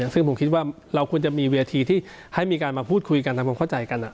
ซึ่งผมคิดว่าเราควรจะมีเวทีที่ให้มีการมาพูดคุยกันทำความเข้าใจกัน